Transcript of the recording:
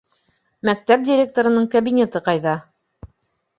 Мәктәп директорының кабинеты ҡайҙа?